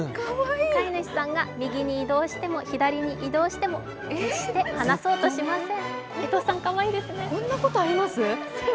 飼い主さんが右に移動しても、左に移動しても、決して離そうとしません。